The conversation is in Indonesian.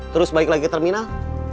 terus balik lagi ke terminal